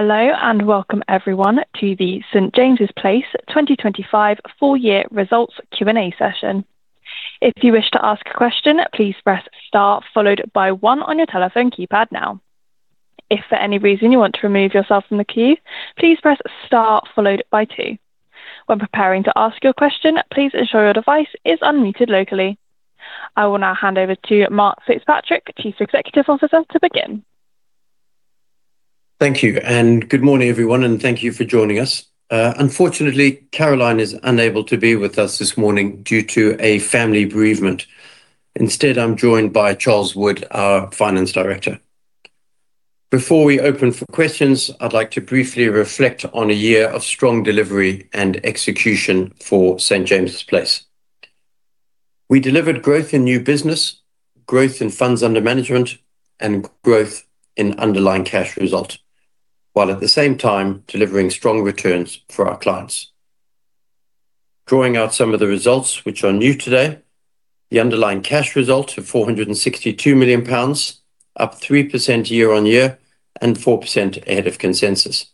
Hello, and welcome everyone to the St. James's Place 2025 full year results Q&A session. If you wish to ask a question, please press star followed by one on your telephone keypad now. If for any reason you want to remove yourself from the queue, please press star followed by two. When preparing to ask your question, please ensure your device is unmuted locally. I will now hand over to Mark FitzPatrick, Chief Executive Officer, to begin. Thank you, good morning, everyone, and thank you for joining us. Unfortunately, Caroline is unable to be with us this morning due to a family bereavement. Instead, I'm joined by Charles Wood, our Finance Director. Before we open for questions, I'd like to briefly reflect on a year of strong delivery and execution for St. James's Place. We delivered growth in new business, growth in funds under management, and growth in underlying cash result, while at the same time delivering strong returns for our clients. Drawing out some of the results which are new today, the underlying cash result of 462 million pounds, up 3% year-on-year and 4% ahead of consensus.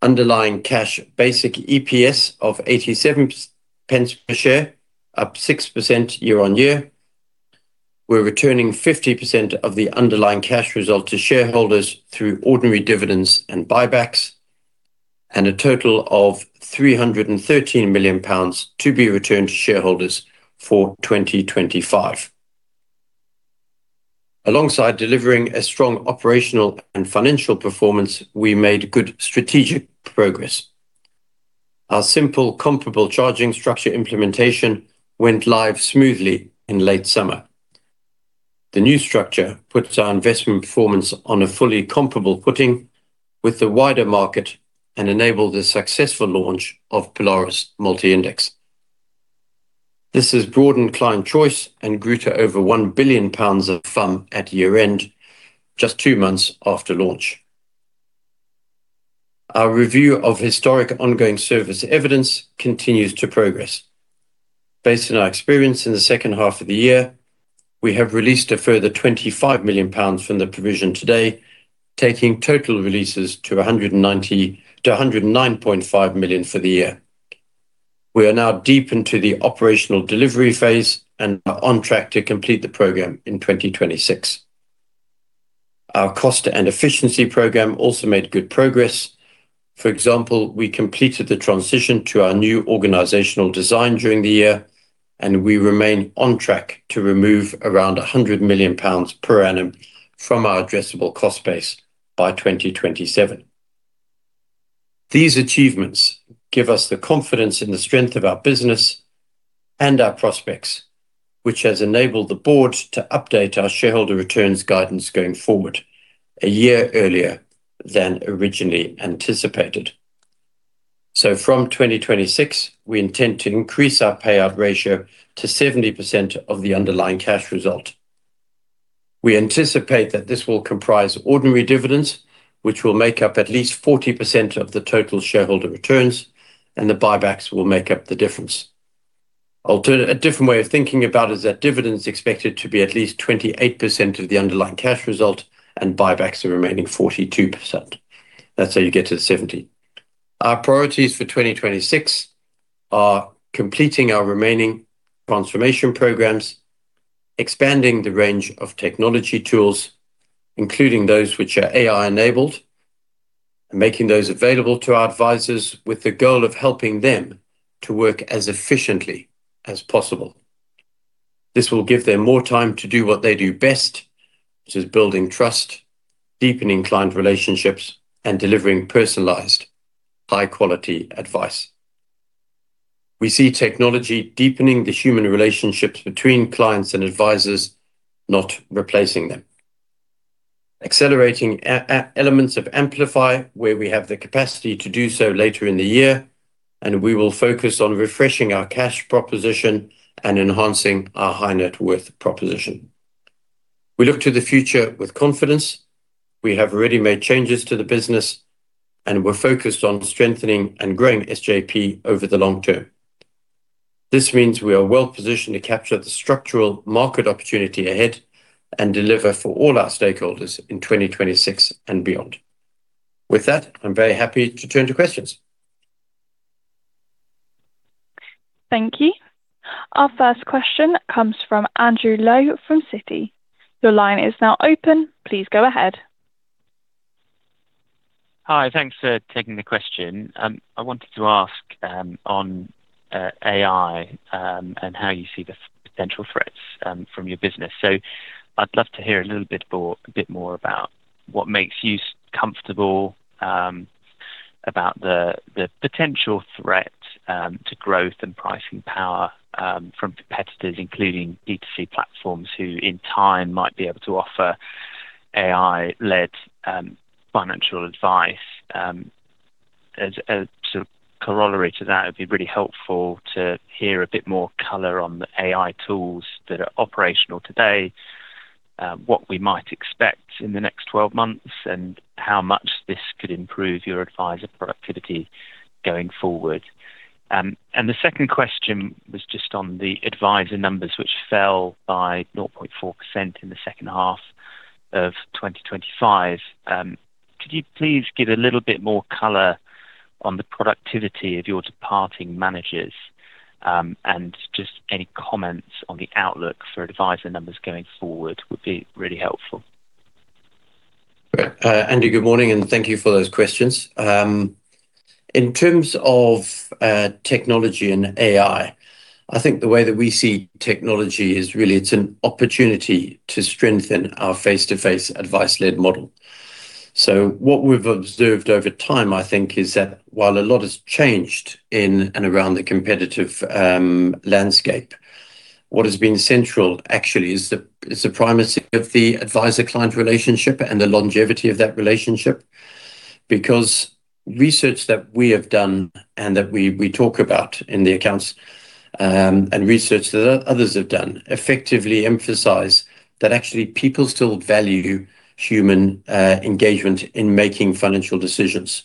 Underlying cash basic EPS of 87 pence per share, up 6% year-on-year. We're returning 50% of the underlying cash result to shareholders through ordinary dividends and buybacks, and a total of 313 million pounds to be returned to shareholders for 2025. Alongside delivering a strong operational and financial performance, we made good strategic progress. Our simple, comparable charging structure implementation went live smoothly in late summer. The new structure puts our investment performance on a fully comparable footing with the wider market and enabled the successful launch of Polaris Multi-Index. This has broadened client choice and grew to over 1 billion pounds of FUM at year-end, just two months after launch. Our review of historic ongoing service evidence continues to progress. Based on our experience in the 2nd Half of the year, we have released a further 25 million pounds from the provision today, taking total releases to 109.5 million for the year. We are now deep into the operational delivery phase and are on track to complete the program in 2026. Our cost and efficiency program also made good progress. For example, we completed the transition to our new organizational design during the year, we remain on track to remove around 100 million pounds per annum from our addressable cost base by 2027. These achievements give us the confidence in the strength of our business and our prospects, which has enabled the board to update our shareholder returns guidance going forward, a year earlier than originally anticipated. From 2026, we intend to increase our payout ratio to 70% of the underlying cash result. We anticipate that this will comprise ordinary dividends, which will make up at least 40% of the total shareholder returns, and the buybacks will make up the difference. A different way of thinking about is that dividend is expected to be at least 28% of the underlying cash result, and buybacks the remaining 42%. That's how you get to the 70%. Our priorities for 2026 are completing our remaining transformation programs, expanding the range of technology tools, including those which are AI-enabled, and making those available to our advisors with the goal of helping them to work as efficiently as possible. This will give them more time to do what they do best, which is building trust, deepening client relationships, and delivering personalized, high-quality advice. We see technology deepening the human relationships between clients and advisors, not replacing them. Accelerating elements of Amplify, where we have the capacity to do so later in the year. We will focus on refreshing our cash proposition and enhancing our high net worth proposition. We look to the future with confidence. We have already made changes to the business. We're focused on strengthening and growing SJP over the long term. This means we are well positioned to capture the structural market opportunity ahead and deliver for all our stakeholders in 2026 and beyond. With that, I'm very happy to turn to questions. Thank you. Our first question comes from Andrew Lowe, from Citi. Your line is now open. Please go ahead. Hi, thanks for taking the question. I wanted to ask on AI and how you see the potential threats from your business. I'd love to hear a little bit more about what makes you comfortable about the potential threat to growth and pricing power from competitors, including D2C platforms, who, in time, might be able to offer AI-led financial advice. It'd be really helpful to hear a bit more color on the AI tools that are operational today, what we might expect in the next 12 months, and how much this could improve your advisor productivity going forward. The 2nd question was just on the advisor numbers, which fell by 0.4% in the 2nd Half of 2025. Could you please give a little bit more color on the productivity of your departing managers? Just any comments on the outlook for advisor numbers going forward would be really helpful. Great. Andy, good morning, and thank you for those questions. In terms of technology and AI, I think the way that we see technology is really it's an opportunity to strengthen our face-to-face, advice-led model. What we've observed over time, I think, is that while a lot has changed in and around the competitive landscape, what has been central actually is the primacy of the advisor-client relationship and the longevity of that relationship. Research that we have done and that we talk about in the accounts, and research that others have done, effectively emphasize that actually people still value human engagement in making financial decisions.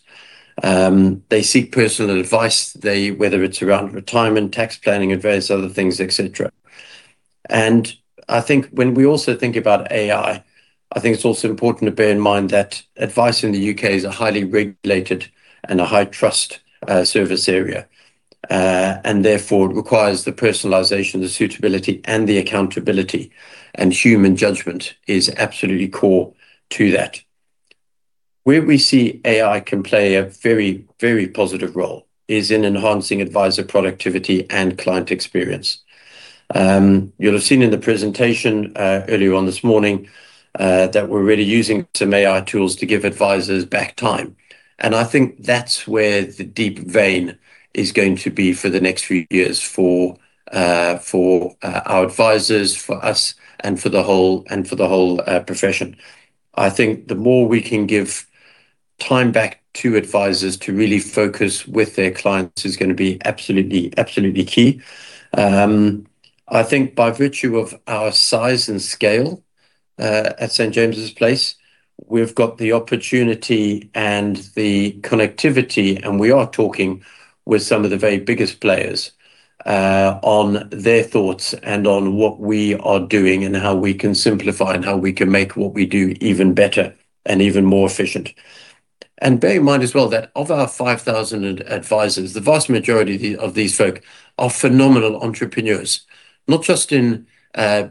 They seek personal advice. whether it's around retirement, tax planning, and various other things, etc.. I think when we also think about AI, I think it's also important to bear in mind that advice in the U.K. is a highly regulated and a high-trust service area. Therefore, it requires the personalization, the suitability, and the accountability, and human judgment is absolutely core to that. Where we see AI can play a very, very positive role is in enhancing advisor productivity and client experience. You'll have seen in the presentation earlier on this morning that we're really using some AI tools to give advisors back time, and I think that's where the deep vein is going to be for the next few years for our advisors, for us, and for the whole profession. I think the more we can give time back to advisors to really focus with their clients is gonna be absolutely key. I think by virtue of our size and scale, at St. James's Place, we've got the opportunity and the connectivity, and we are talking with some of the very biggest players, on their thoughts and on what we are doing, and how we can simplify, and how we can make what we do even better and even more efficient. Bear in mind as well, that of our 5,000 advisors, the vast majority of these folk are phenomenal entrepreneurs, not just in,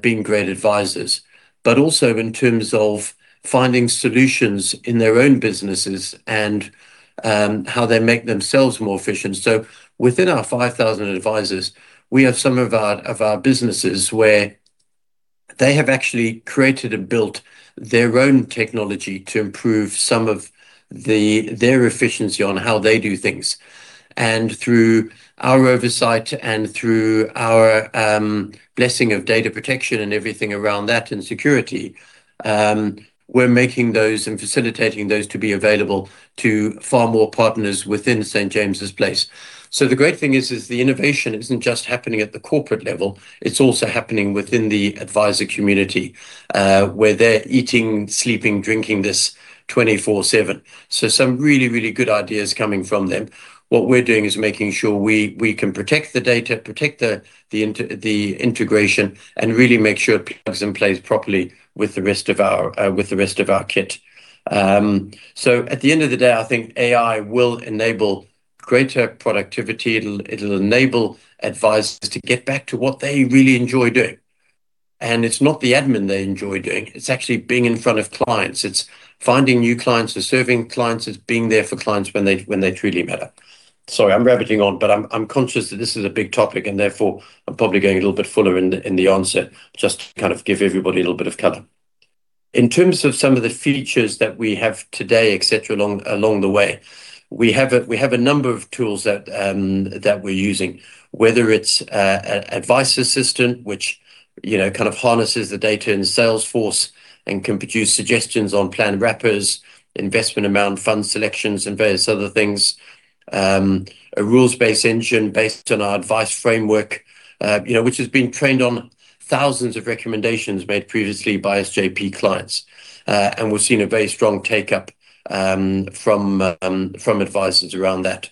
being great advisors, but also in terms of finding solutions in their own businesses and, how they make themselves more efficient. Within our 5,000 advisors, we have some of our businesses where they have actually created and built their own technology to improve some of their efficiency on how they do things. Through our oversight and through our blessing of data protection and everything around that, and security, we're making those and facilitating those to be available to far more partners within St. James's Place. The great thing is the innovation isn't just happening at the corporate level, it's also happening within the advisor community, where they're eating, sleeping, drinking this 24/7. Some really good ideas coming from them. What we're doing is making sure we can protect the data, protect the integration, and really make sure it plugs and plays properly with the rest of our kit. At the end of the day, I think AI will enable greater productivity. It'll enable advisors to get back to what they really enjoy doing. It's not the admin they enjoy doing. It's actually being in front of clients. It's finding new clients, it's serving clients, it's being there for clients when they truly matter. Sorry, I'm rabbiting on. I'm conscious that this is a big topic. Therefore, I'm probably going a little bit fuller in the onset, just to kind of give everybody a little bit of color. In terms of some of the features that we have today, etc., along the way, we have a number of tools that we're using, whether it's a advice assistant, which, you know, kind of harnesses the data in Salesforce and can produce suggestions on plan wrappers, investment amount, fund selections, and various other things. A rules-based engine based on our advice framework, you know, which has been trained on thousands of recommendations made previously by SJP clients. We've seen a very strong take-up from advisors around that.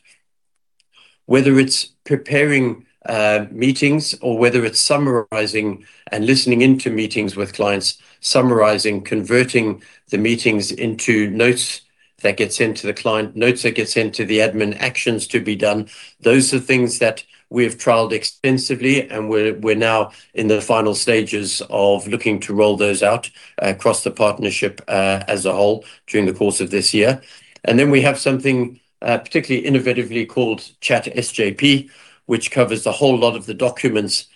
Whether it's preparing meetings or whether it's summarizing and listening into meetings with clients, summarizing, converting the meetings into notes that gets sent to the client, notes that gets sent to the admin, actions to be done, those are things that we have trialed extensively, and we're now in the final stages of looking to roll those out across the partnership as a whole during the course of this year. Then we have something particularly innovatively called ChatSJP, which covers a whole lot of the documents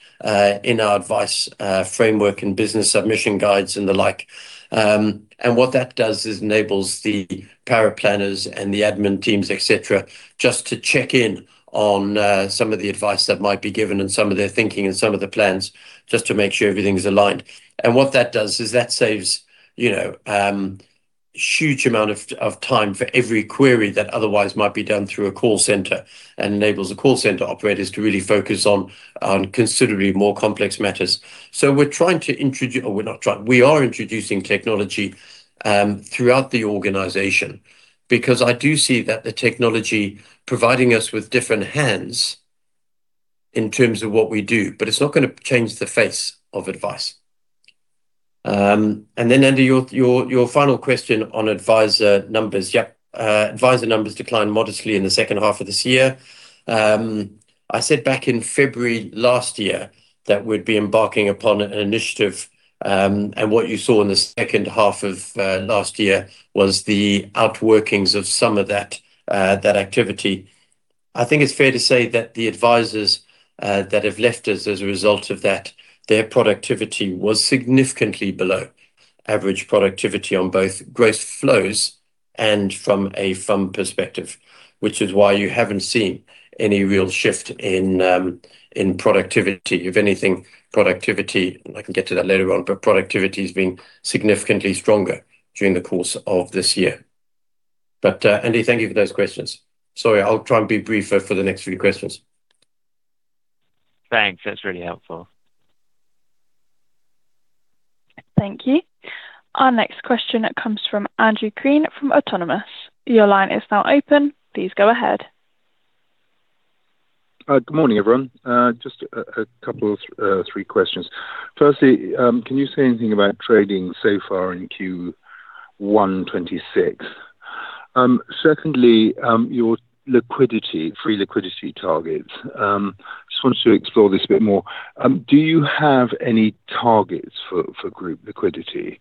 in our advice framework and business submission guides and the like. What that does is enables the paraplanners and the admin teams, etc., just to check in on some of the advice that might be given and some of their thinking and some of the plans, just to make sure everything's aligned. What that does is that saves, you know, huge amount of time for every query that otherwise might be done through a call center and enables the call center operators to really focus on considerably more complex matters. We're trying to introduce, or we're not trying, we are introducing technology throughout the organization because I do see that the technology providing us with different hands in terms of what we do, but it's not going to change the face of advice. Then, Andy, your final question on advisor numbers. Yep, advisor numbers declined modestly in the 2nd Half of this year. I said back in February last year that we'd be embarking upon an initiative, and what you saw in the 2nd Half of last year was the outworkings of some of that activity. I think it's fair to say that the advisors that have left us as a result of that, their productivity was significantly below average productivity on both gross flows and from a firm perspective, which is why you haven't seen any real shift in productivity. If anything, productivity, and I can get to that later on, but productivity has been significantly stronger during the course of this year. Andy, thank you for those questions. Sorry, I'll try and be briefer for the next few questions. Thanks. That's really helpful. Thank you. Our next question comes from Andrew Crean from Autonomous. Your line is now open. Please go ahead. Good morning, everyone. Just a couple of three questions. Firstly, can you say anything about trading so far in Q1 2026? Secondly, your liquidity, free liquidity targets. Just wanted to explore this a bit more. Do you have any targets for group liquidity?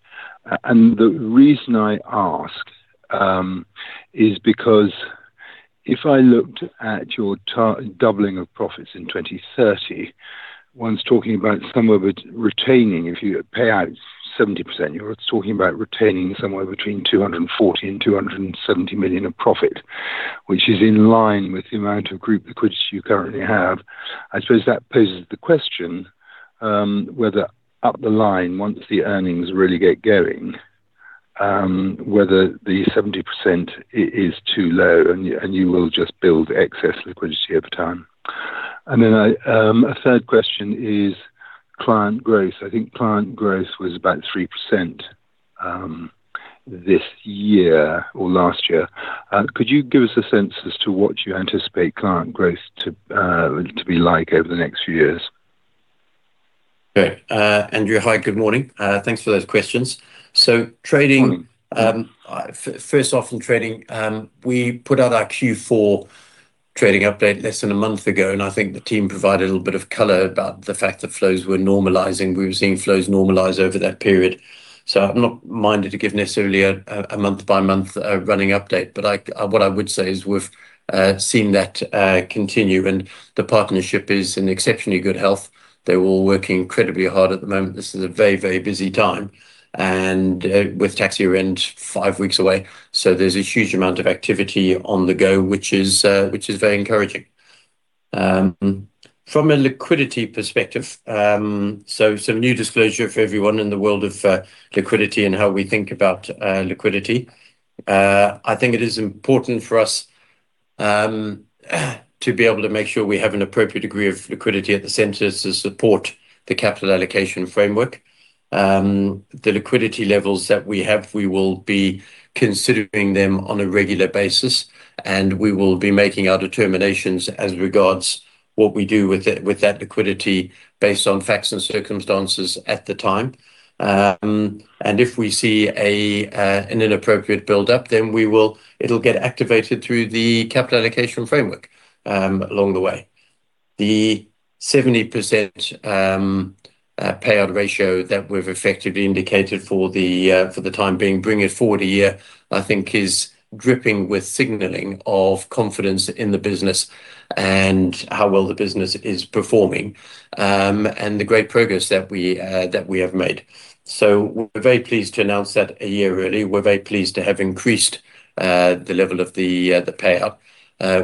The reason I ask is because if I looked at your doubling of profits in 2030, one's talking about somewhere between retaining... If you payout 70%, you're talking about retaining somewhere between 240 million and 270 million of profit, which is in line with the amount of group liquidity you currently have. I suppose that poses the question, whether up the line, once the earnings really get going, whether the 70% is too low, and you will just build excess liquidity over time. I, a third question is client growth. I think client growth was about 3%, this year or last year. Could you give us a sense as to what you anticipate client growth to be like over the next few years? Okay. Andrew, hi, good morning. Thanks for those questions. trading- Morning. First off, in trading, we put out our Q4 trading update less than a month ago. I think the team provided a little bit of color about the fact that flows were normalizing. We were seeing flows normalize over that period, so I'm not minded to give necessarily a month-by-month running update. What I would say is we've seen that continue, and the partnership is in exceptionally good health. They're all working incredibly hard at the moment. This is a very busy time and with tax year end 5 weeks away. There's a huge amount of activity on the go, which is very encouraging. From a liquidity perspective, so some new disclosure for everyone in the world of liquidity and how we think about liquidity. I think it is important for us to be able to make sure we have an appropriate degree of liquidity at the centers to support the capital allocation framework. The liquidity levels that we have, we will be considering them on a regular basis, and we will be making our determinations as regards what we do with that liquidity based on facts and circumstances at the time. If we see an inappropriate buildup, then it'll get activated through the capital allocation framework along the way. The 70% payout ratio that we've effectively indicated for the time being, bring it forward a year, I think is dripping with signaling of confidence in the business and how well the business is performing, and the great progress that we have made. We're very pleased to announce that a year early. We're very pleased to have increased the level of the payout.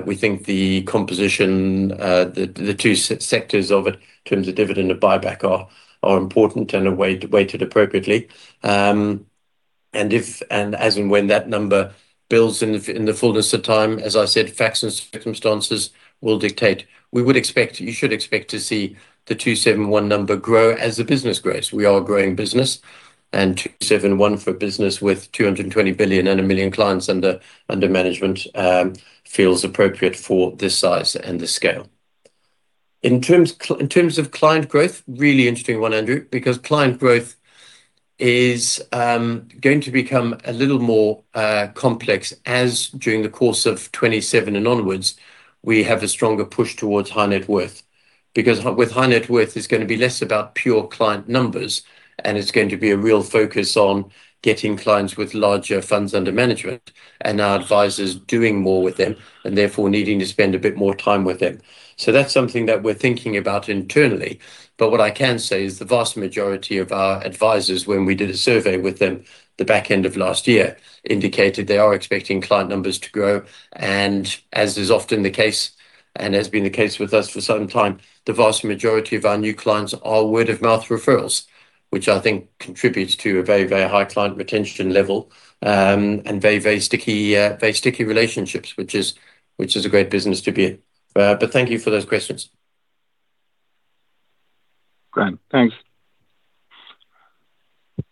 We think the composition, the two sectors of it, in terms of dividend and buyback, are important and are weighted appropriately. If, and as and when that number builds in the fullness of time, as I said, facts and circumstances will dictate. We would expect, you should expect to see the 271 number grow as the business grows. We are a growing business, 271 for a business with 220 billion and 1 million clients under management, feels appropriate for this size and this scale. In terms of client growth, really interesting one, Andrew, because client growth is going to become a little more complex as during the course of 2027 and onwards, we have a stronger push towards high net worth. Because with high net worth, it's gonna be less about pure client numbers, and it's going to be a real focus on getting clients with larger funds under management, and our advisors doing more with them and therefore needing to spend a bit more time with them. That's something that we're thinking about internally. What I can say is the vast majority of our advisors, when we did a survey with them, the back end of last year, indicated they are expecting client numbers to grow, and as is often the case, and has been the case with us for some time, the vast majority of our new clients are word-of-mouth referrals, which I think contributes to a very, very high client retention level, and very, very sticky relationships, which is a great business to be in. Thank you for those questions. Great. Thanks.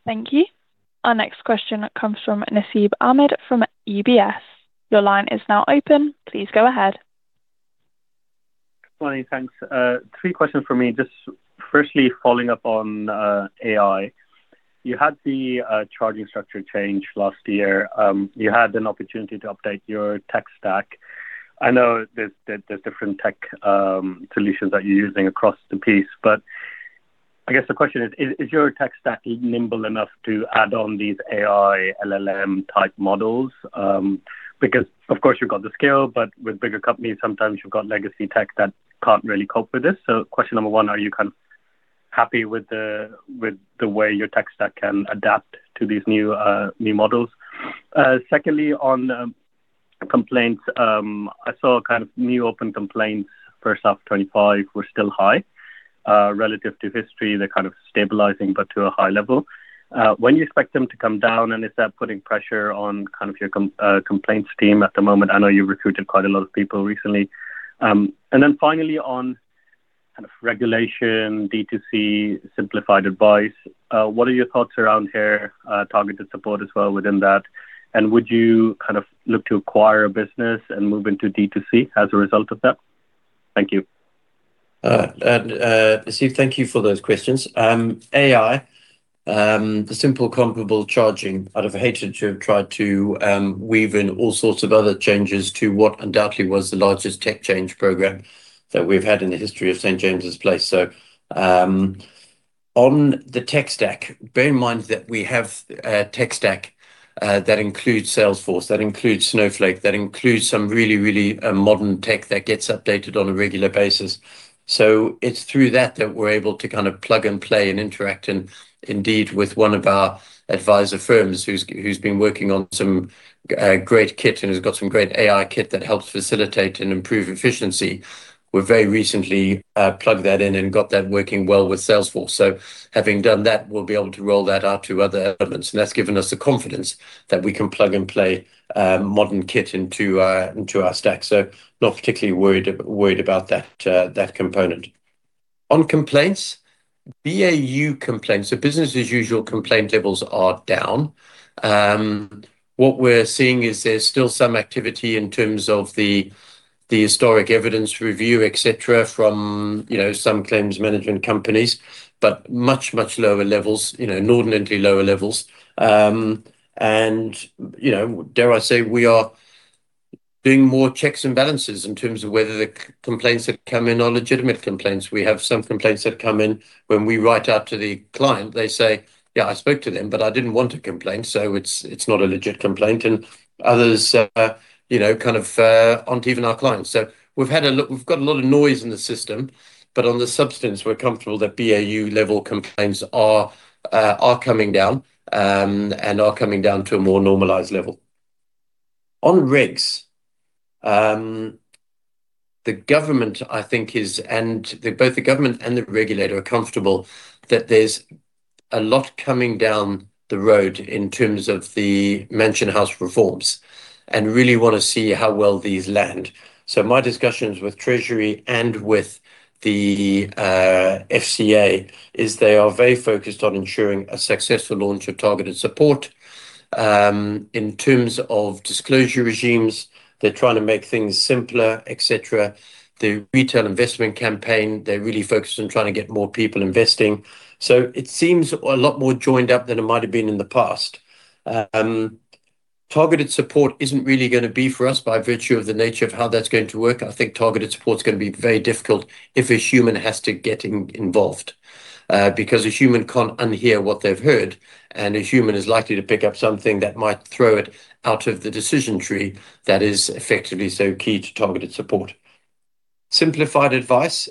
Thank you. Our next question comes from Nasib Ahmed from UBS. Your line is now open. Please go ahead. Morning, thanks. Three questions for me. Just firstly, following up on AI. You had the charging structure change last year. You had an opportunity to update your tech stack. I know there's, there's different tech solutions that you're using across the piece, but I guess the question is: Is your tech stack nimble enough to add on these AI, LLM-type models? Because, of course, you've got the scale, but with bigger companies, sometimes you've got legacy tech that can't really cope with this. Question number one, are you kind of happy with the way your tech stack can adapt to these new models? Secondly, on complaints, I saw kind of new open complaints, first half 2025 were still high. Relative to history, they're kind of stabilizing but to a high level. When do you expect them to come down, and is that putting pressure on kind of your complaints team at the moment? I know you recruited quite a lot of people recently. Finally, on kind of regulation, D2C, simplified advice, what are your thoughts around here, targeted support as well within that? Would you kind of look to acquire a business and move into D2C as a result of that? Thank you. Nasib, thank you for those questions. AI, the simple comparable charging, I'd have hated to have tried to weave in all sorts of other changes to what undoubtedly was the largest tech change program that we've had in the history of St. James's Place. On the tech stack, bear in mind that we have a tech stack that includes Salesforce, that includes Snowflake, that includes some really, really modern tech that gets updated on a regular basis. It's through that that we're able to kind of plug and play and interact. Indeed, with one of our advisor firms, who's been working on some great kit and has got some great AI kit that helps facilitate and improve efficiency. We've very recently plugged that in and got that working well with Salesforce. Having done that, we'll be able to roll that out to other elements, and that's given us the confidence that we can plug and play, modern kit into our stack. Not particularly worried about that component. On complaints, BAU complaints, business as usual complaint levels are down. What we're seeing is there's still some activity in terms of the historic evidence review, etc., from, you know, some claims management companies, but much lower levels, you know, inordinately lower levels. You know, dare I say, we are doing more checks and balances in terms of whether the complaints that come in are legitimate complaints. We have some complaints that come in, when we write out to the client, they say, "Yeah, I spoke to them, but I didn't want to complain," so it's not a legit complaint. Others, you know, kind of, aren't even our clients. We've got a lot of noise in the system, but on the substance, we're comfortable that BAU-level complaints are coming down and are coming down to a more normalized level. On regs, the government, I think is, both the government and the regulator are comfortable that there's a lot coming down the road in terms of the Mansion House reforms and really want to see how well these land. My discussions with Treasury and with the FCA, is they are very focused on ensuring a successful launch of targeted support. In terms of disclosure regimes, they're trying to make things simpler, etc. The retail investment campaign, they're really focused on trying to get more people investing, so it seems a lot more joined up than it might have been in the past. Targeted support isn't really gonna be for us by virtue of the nature of how that's going to work. I think targeted support is gonna be very difficult if a human has to get involved, because a human can't unhear what they've heard. A human is likely to pick up something that might throw it out of the decision tree that is effectively so key to targeted support. Simplified advice,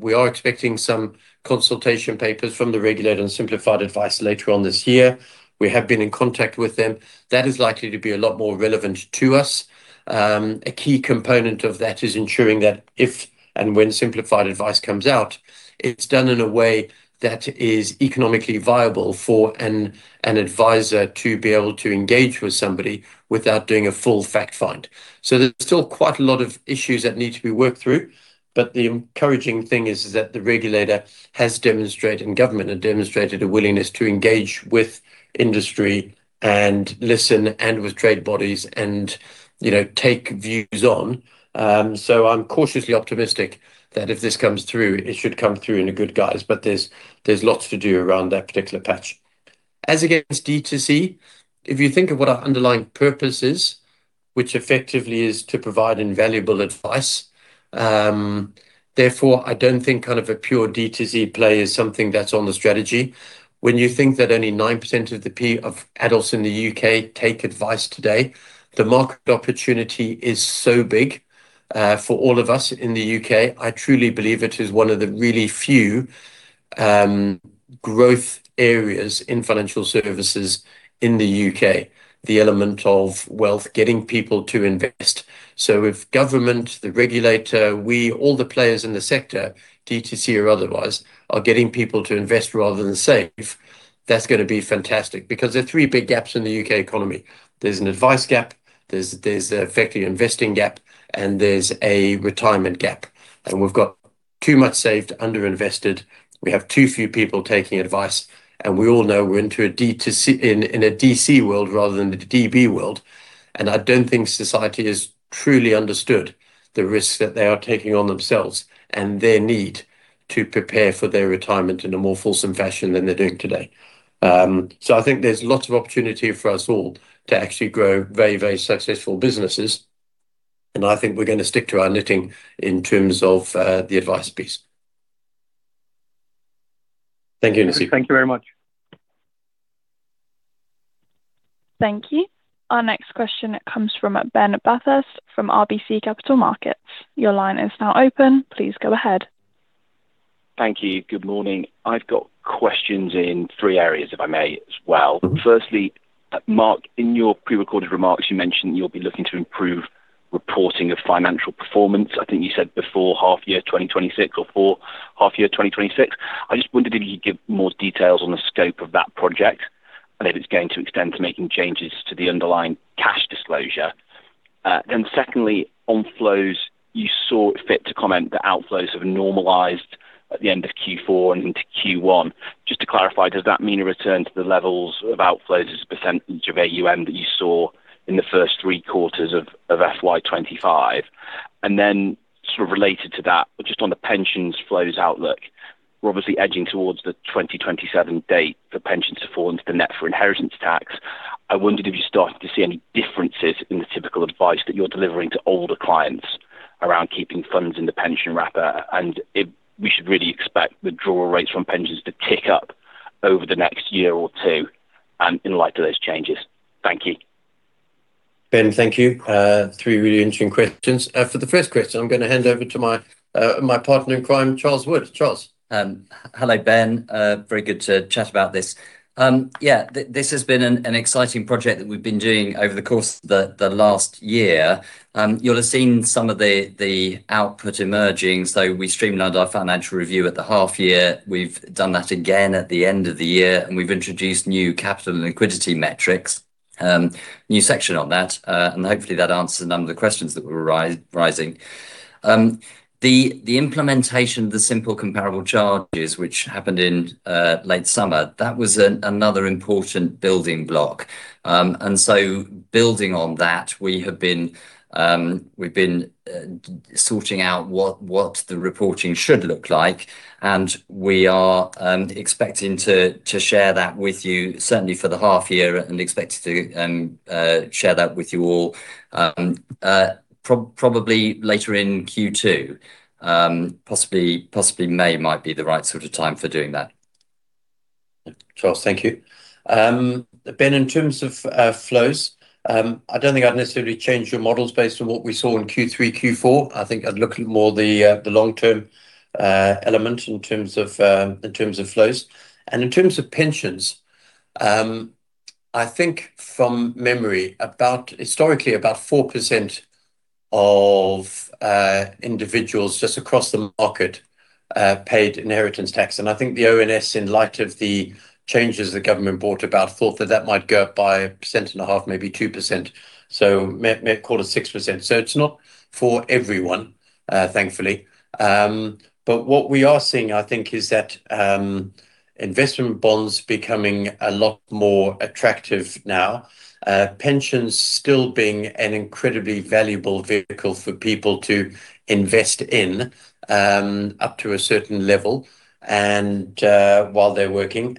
we are expecting some consultation papers from the regulator on simplified advice later on this year. We have been in contact with them. That is likely to be a lot more relevant to us. A key component of that is ensuring that if and when simplified advice comes out, it's done in a way that is economically viable for an advisor to be able to engage with somebody without doing a full fact-find. There's still quite a lot of issues that need to be worked through, but the encouraging thing is that the regulator has demonstrated, and government have demonstrated a willingness to engage with industry and listen, and with trade bodies and, you know, take views on. I'm cautiously optimistic that if this comes through, it should come through in a good guise. There's lots to do around that particular patch. As against D2C, if you think of what our underlying purpose is, which effectively is to provide invaluable advice, therefore, I don't think kind of a pure D2C play is something that's on the strategy. When you think that only 9% of adults in the U.K. take advice today, the market opportunity is so big for all of us in the U.K. I truly believe it is one of the really few growth areas in financial services in the U.K., the element of wealth, getting people to invest. If government, the regulator, we, all the players in the sector, D2C or otherwise, are getting people to invest rather than save, that's gonna be fantastic. There are 3 big gaps in the U.K. economy: there's an advice gap, there's effectively an investing gap, and there's a retirement gap. too much saved, underinvested. We have too few people taking advice, and we all know we're into a DC in a DC world rather than the DB world. I don't think society has truly understood the risks that they are taking on themselves and their need to prepare for their retirement in a more fulsome fashion than they're doing today. I think there's lots of opportunity for us all to actually grow very, very successful businesses, and I think we're going to stick to our knitting in terms of the advice piece. Thank you, Nasib. Thank you very much. Thank you. Our next question comes from Benjamin Bathurst from RBC Capital Markets. Your line is now open. Please go ahead. Thank you. Good morning. I've got questions in 3 areas, if I may, as well. Firstly, Mark, in your pre-recorded remarks, you mentioned you'll be looking to improve reporting of financial performance. I think you said before half year 2026 or for half year 2026. I just wondered if you'd give more details on the scope of that project and if it's going to extend to making changes to the underlying cash disclosure. Secondly, on flows, you saw fit to comment that outflows have normalized at the end of Q4 and into Q1. Just to clarify, does that mean a return to the levels of outflows as a % of AUM that you saw in the 1st three quarters of FY 2025? Sort of related to that, but just on the pensions flows outlook, we're obviously edging towards the 2027 date for pensions to fall into the net for inheritance tax. I wondered if you started to see any differences in the typical advice that you're delivering to older clients around keeping funds in the pension wrapper, and if we should really expect withdrawal rates from pensions to tick up over the next year or two, in light of those changes. Thank you. Ben, thank you. Three really interesting questions. For the 1st question, I'm gonna hand over to my partner in crime, Charles? Hello, Ben. Very good to chat about this. Yeah, this has been an exciting project that we've been doing over the course of the last year. You'll have seen some of the output emerging. We streamlined our financial review at the half year. We've done that again at the end of the year, and we've introduced new capital and liquidity metrics. New section on that, hopefully, that answers a number of the questions that were rising. The implementation of the simple comparable charges, which happened in late summer, that was another important building block. Building on that, we have been, we've been sorting out what the reporting should look like, and we are expecting to share that with you, certainly for the half year, and expect to share that with you all, probably later in Q2. Possibly May might be the right sort of time for doing that. Charles, thank you. Ben, in terms of flows, I don't think I'd necessarily change your models based on what we saw in Q3, Q4. I think I'd look at more the long-term element in terms of flows and in terms of pensions. I think from memory, about historically, about 4% of individuals just across the market paid inheritance tax. I think the ONS, in light of the changes the government brought about, thought that that might go up by 1.5%, maybe 2%. May call it 6%. It's not for everyone, thankfully. What we are seeing, I think, is that investment bonds becoming a lot more attractive now. Pensions still being an incredibly valuable vehicle for people to invest in, up to a certain level, and while they're working.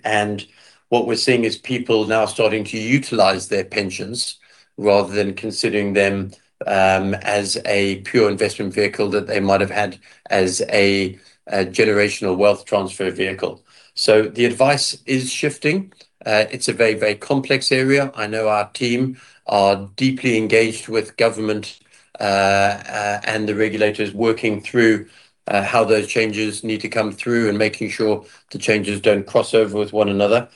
What we're seeing is people now starting to utilize their pensions rather than considering them as a pure investment vehicle that they might have had as a generational wealth transfer vehicle. The advice is shifting. It's a very, very complex area. I know our team are deeply engaged with government and the regulators, working through how those changes need to come through and making sure the changes don't cross over with one another.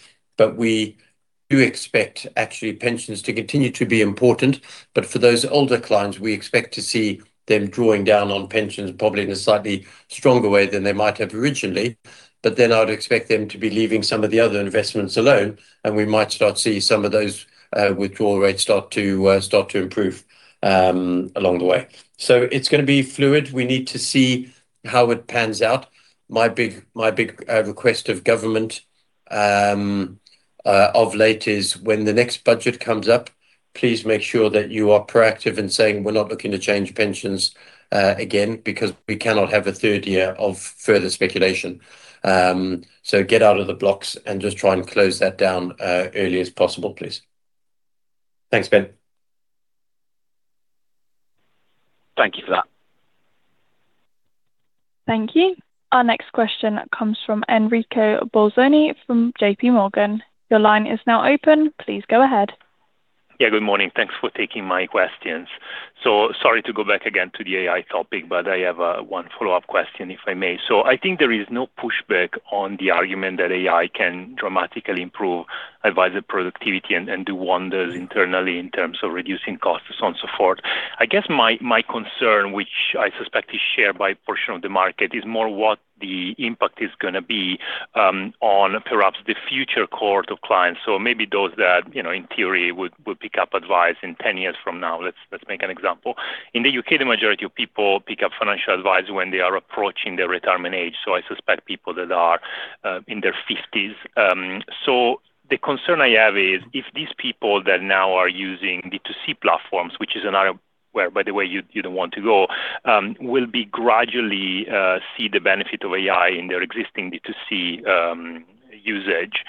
We do expect, actually, pensions to continue to be important, but for those older clients, we expect to see them drawing down on pensions, probably in a slightly stronger way than they might have originally. I'd expect them to be leaving some of the other investments alone, and we might start to see some of those withdrawal rates start to improve along the way. It's gonna be fluid. We need to see how it pans out. My big request of government of late is when the next budget comes up, please make sure that you are proactive in saying, "We're not looking to change pensions again, because we cannot have a third year of further speculation." Get out of the blocks and just try and close that down early as possible, please. Thanks, Ben. Thank you for that. Thank you. Our next question comes from Enrico Bolzoni from J.P. Morgan. Your line is now open. Please go ahead. Yeah, good morning. Thanks for taking my questions. Sorry to go back again to the AI topic, but I have one follow-up question, if I may. I think there is no pushback on the argument that AI can dramatically improve advisor productivity and do wonders internally in terms of reducing costs, so on and so forth. I guess my concern, which I suspect is shared by a portion of the market, is more what the impact is gonna be on perhaps the future cohort of clients. Maybe those that, you know, in theory, would pick up advice in 10 years from now. Let's make an example. In the U.K., the majority of people pick up financial advice when they are approaching their retirement age, so I suspect people that are in their fifties. The concern I have is, if these people that now are using B2C platforms, which is another where, by the way, you don't want to go, will be gradually see the benefit of AI in their existing B2C usage.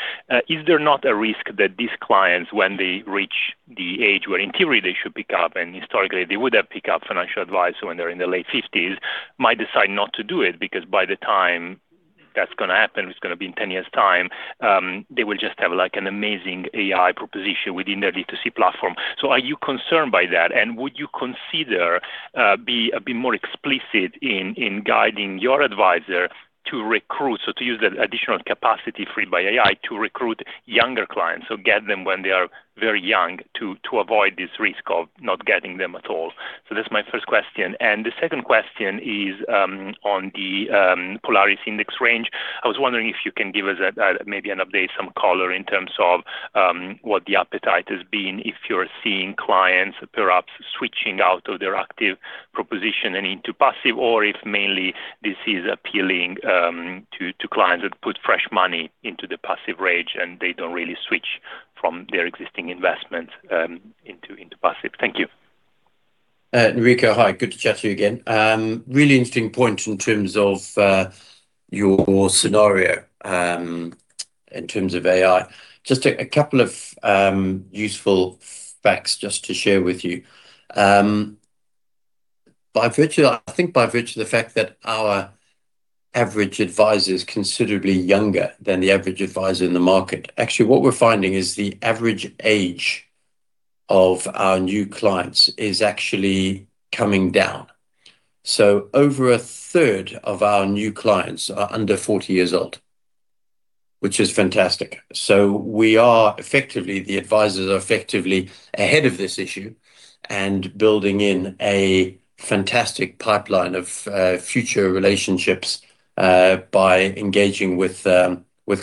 Is there not a risk that these clients, when they reach the age where in theory they should pick up, and historically they would have pick up financial advice when they're in their late 50s, might decide not to do it? Because by the time that's gonna happen, it's gonna be in 10 years' time, they will just have, like, an amazing AI proposition within their B2C platform. Are you concerned by that, and would you consider be a bit more explicit in guiding your advisor to recruit, so to use the additional capacity freed by AI to recruit younger clients, so get them when they are very young to avoid this risk of not getting them at all? That's my first question. The 2nd question is on the Polaris index range. I was wondering if you can give us maybe an update, some color in terms of what the appetite has been, if you're seeing clients perhaps switching out of their active proposition and into passive, or if mainly this is appealing to clients that put fresh money into the passive range, and they don't really switch from their existing investment into passive. Thank you. Enrico, hi. Good to chat to you again. Really interesting point in terms of your scenario in terms of AI. Just a couple of useful facts just to share with you. I think by virtue of the fact that our average advisor is considerably younger than the average advisor in the market, actually, what we're finding is the average age of our new clients is actually coming down. Over a third of our new clients are under 40 years old, which is fantastic. We are effectively, the advisors are effectively ahead of this issue and building in a fantastic pipeline of future relationships by engaging with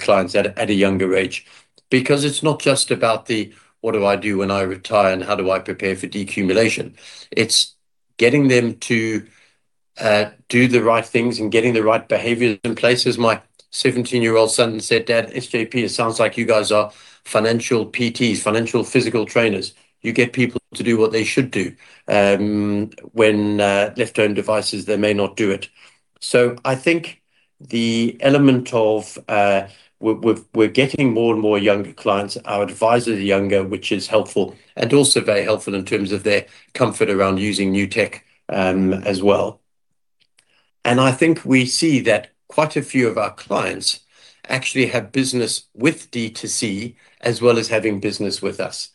clients at a younger age. It's not just about the what do I do when I retire, and how do I prepare for decumulation? It's getting them to do the right things and getting the right behaviors in place. As my 17-year-old son said, "Dad, SJP, it sounds like you guys are financial PTs, financial physical trainers. You get people to do what they should do, when left to own devices, they may not do it." I think the element of we're getting more and more younger clients. Our advisors are younger, which is helpful and also very helpful in terms of their comfort around using new tech as well. I think we see that quite a few of our clients actually have business with B2C as well as having business with us.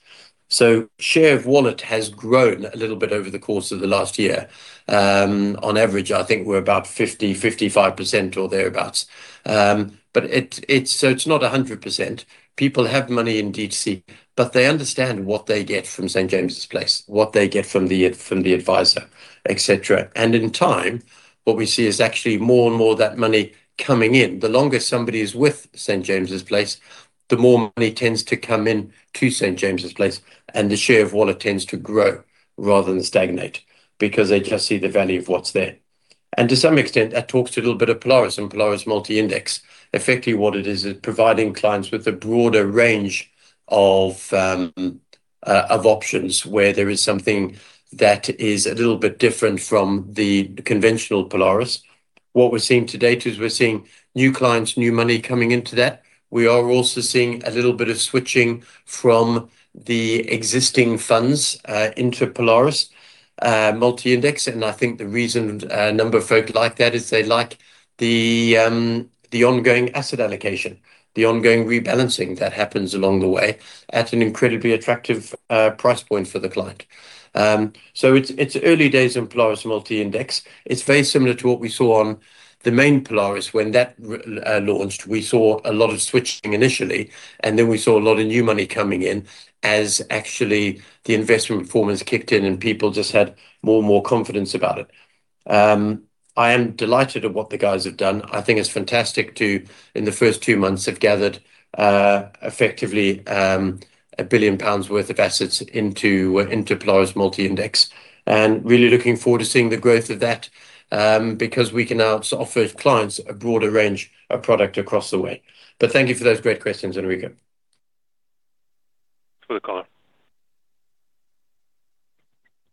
Share of wallet has grown a little bit over the course of the last year. On average, I think we're about 50-55% or thereabouts. It's not 100%. People have money in B2C, but they understand what they get from St. James's Place, what they get from the advisor, etc.. In time, what we see is actually more and more of that money coming in. The longer somebody is with St. James's Place, the more money tends to come in to St. James's Place, and the share of wallet tends to grow rather than stagnate, because they just see the value of what's there. To some extent, that talks a little bit of Polaris and Polaris Multi-Index. Effectively, what it is providing clients with a broader range of options, where there is something that is a little bit different from the conventional Polaris. What we're seeing to date is we're seeing new clients, new money coming into that. We are also seeing a little bit of switching from the existing funds into Polaris Multi-Index. I think the reason a number of folk like that is they like the ongoing asset allocation, the ongoing rebalancing that happens along the way at an incredibly attractive price point for the client. It's, it's early days in Polaris Multi-Index. It's very similar to what we saw on the main Polaris when that launched. We saw a lot of switching initially. Then we saw a lot of new money coming in as actually the investment performance kicked in. People just had more and more confidence about it. I am delighted at what the guys have done. I think it's fantastic to, in the 1st two months, have gathered, effectively, 1 billion pounds worth of assets into Polaris Multi-Index, and really looking forward to seeing the growth of that, because we can now offer clients a broader range of product across the way. Thank you for those great questions, Enrico. Good call.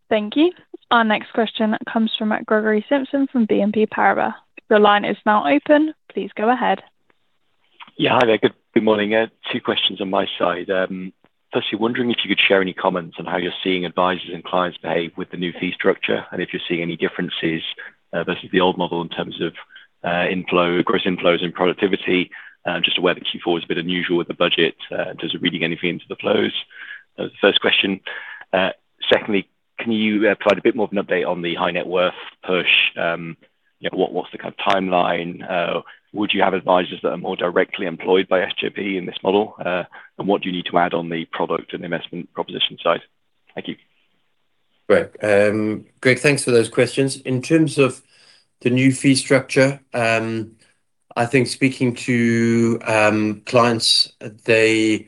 Thank you. Our next question comes from Greg Simpson from BNP Paribas. Your line is now open. Please go ahead. Hi there. Good morning. Two questions on my side. Firstly, wondering if you could share any comments on how you're seeing advisors and clients behave with the new fee structure, and if you're seeing any differences versus the old model in terms of inflow, gross inflows and productivity. Just aware that Q4 is a bit unusual with the budget. Does it read anything into the flows? 1st question. Secondly, can you provide a bit more of an update on the high net worth push? What's the kind of timeline? Would you have advisors that are more directly employed by SJP in this model? What do you need to add on the product and investment proposition side? Thank you. Great. Greg, thanks for those questions. In terms of the new fee structure, I think speaking to clients, they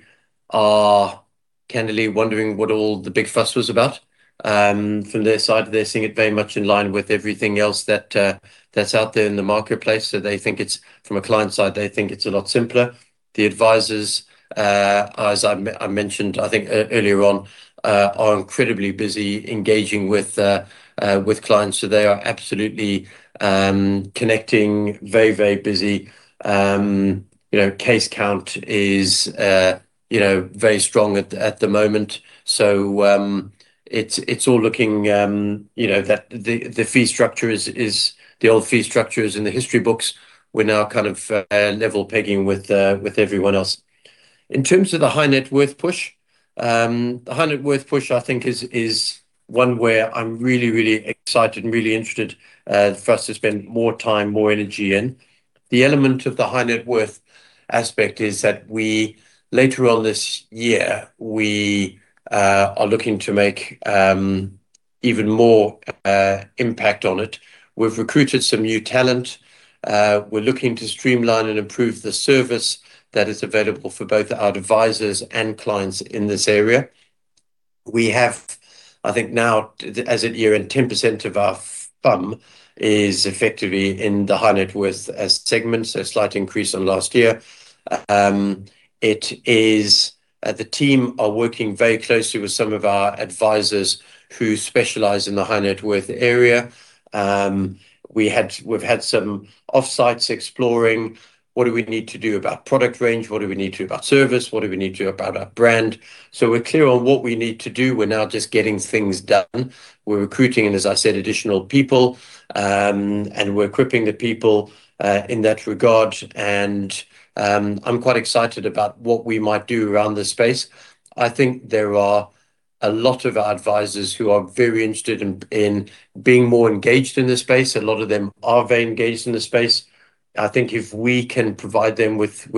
are candidly wondering what all the big fuss was about. From their side, they're seeing it very much in line with everything else that's out there in the marketplace. They think it's, from a client side, they think it's a lot simpler. The advisors, as I mentioned, I think earlier on, are incredibly busy engaging with clients, so they are absolutely connecting, very, very busy. You know, case count is, you know, very strong at the moment, so it's all looking, you know. That the fee structure is the old fee structure is in the history books. We're now kind of level pegging with everyone else. In terms of the high net worth push, the high net worth push, I think, is one where I'm really, really excited and really interested for us to spend more time, more energy in. The element of the high net worth aspect is that we later on this year are looking to make even more impact on it. We've recruited some new talent. We're looking to streamline and improve the service that is available for both our advisors and clients in this area. We have, I think now, as at year-end, 10% of our FUM is effectively in the high net worth segment, so a slight increase on last year. It is, the team are working very closely with some of our advisors who specialize in the high net worth area. We've had some off-sites exploring, what do we need to do about product range? What do we need to do about service? What do we need to do about our brand? We're clear on what we need to do. We're now just getting things done. We're recruiting, and as I said, additional people, and we're equipping the people, in that regard, and I'm quite excited about what we might do around this space. I think there are a lot of our advisors who are very interested in being more engaged in this space. A lot of them are very engaged in this space. I think if we can provide them with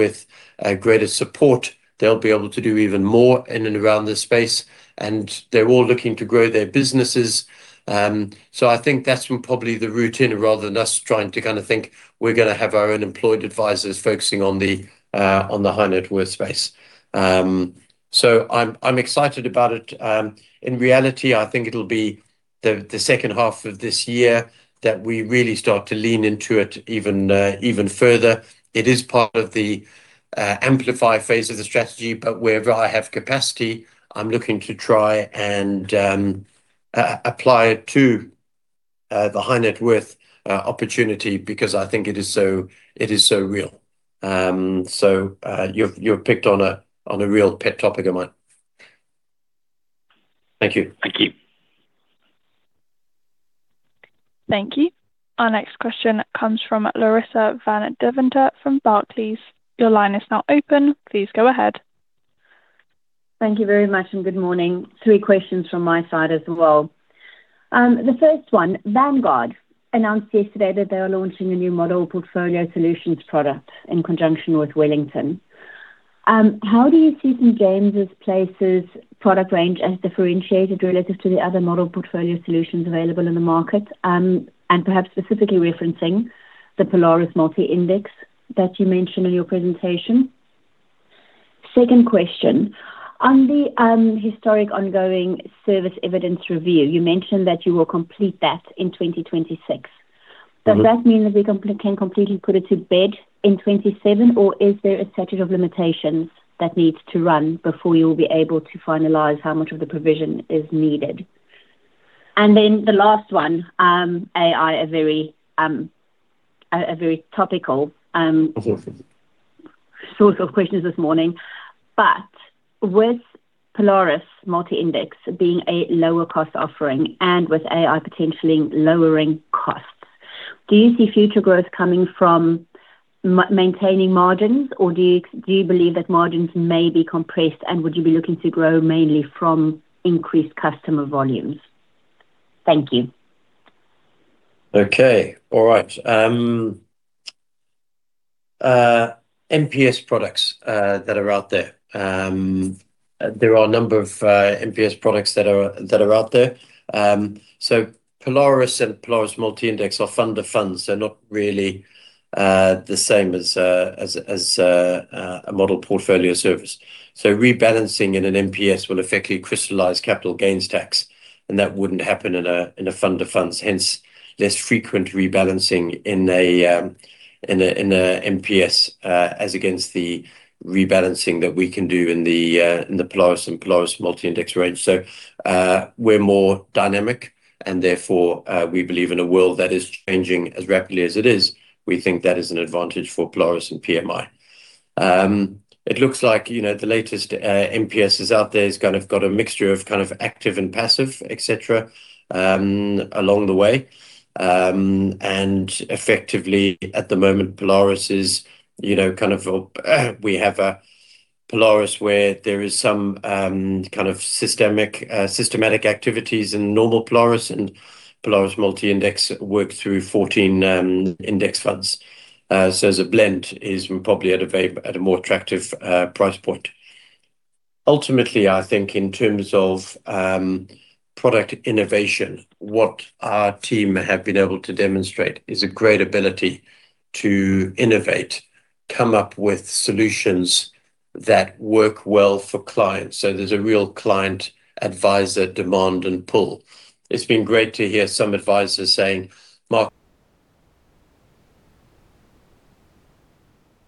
greater support, they'll be able to do even more in and around this space, and they're all looking to grow their businesses. I think that's probably the route in, rather than us trying to kind of think we're gonna have our own employed advisors focusing on the high net worth space. I'm excited about it. In reality, I think it'll be the 2nd Half of this year that we really start to lean into it even further. It is part of the Amplify phase of the strategy, but wherever I have capacity, I'm looking to try and apply it to the high net worth opportunity because I think it is so real. You've picked on a real pet topic of mine. Thank you. Thank you. Thank you. Our next question comes from Larissa van Deventer from Barclays. Your line is now open. Please go ahead. Thank you very much, and good morning. Three questions from my side as well. The first one, Vanguard announced yesterday that they are launching a new model portfolio solutions product in conjunction with Wellington. How do you see St. James's Place's product range as differentiated relative to the other model portfolio solutions available in the market? Perhaps specifically referencing the Polaris Multi-Index that you mentioned in your presentation. Second question: on the historic ongoing service evidence review, you mentioned that you will complete that in 2026. Mm-hmm. Does that mean that we can completely put it to bed in 2027, or is there a statute of limitations that needs to run before you'll be able to finalize how much of the provision is needed? The last one, AI, a very topical. Mm-hmm... source of questions this morning. But with Polaris Multi-Index being a lower-cost offering and with AI potentially lowering costs, do you believe that margins may be compressed, and would you be looking to grow mainly from increased customer volumes? Thank you. Okay. All right. MPS products that are out there. There are a number of MPS products that are out there. Polaris and Polaris Multi-Index are fund of funds. They're not really the same as a model portfolio service. Rebalancing in an MPS will effectively crystallize capital gains tax, and that wouldn't happen in a fund of funds. Hence, less frequent rebalancing in an MPS as against the rebalancing that we can do in the Polaris and Polaris Multi-Index range. We're more dynamic, and therefore, we believe in a world that is changing as rapidly as it is. We think that is an advantage for Polaris and PMI. It looks like, you know, the latest MPSs out there has kind of got a mixture of kind of active and passive, etc., along the way. Effectively, at the moment, Polaris is, you know, kind of, we have Polaris, where there is some kind of systemic, systematic activities in normal Polaris and Polaris Multi-Index work through 14 index funds. As a blend is probably at a very, at a more attractive price point. Ultimately, I think in terms of product innovation, what our team have been able to demonstrate is a great ability to innovate, come up with solutions that work well for clients. So there's a real client, advisor, demand, and pull. It's been great to hear some advisors saying, "Mark,"